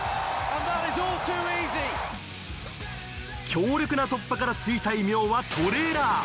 強力な突破からついた異名はトレーラー。